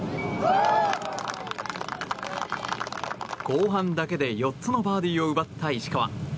後半だけで４つのバーディーを奪った石川。